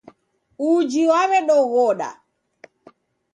Uji w'aw'edoghoda